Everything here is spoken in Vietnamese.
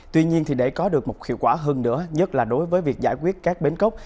tuy nhiên để có được một hiệu quả hơn nữa nhất là đối với việc giải quyết các bến cốc